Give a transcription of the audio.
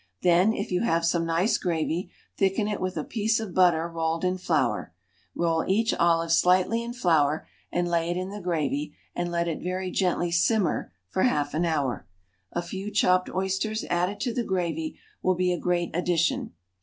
Then if you have some nice gravy, thicken it with a piece of butter rolled in flour, roll each olive slightly in flour and lay it in the gravy and let it very gently simmer for half an hour. A few chopped oysters added to the gravy will be a great addition.